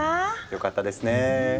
よかったですねぇ。